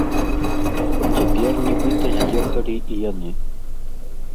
Цяпер нібыта з'ехалі і яны.